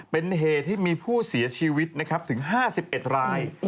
เป็นเหตุที่มีผู้เสียชีวิตนะครับถึง๕๑ราย